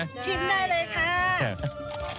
ชิมได้เลยค่ะ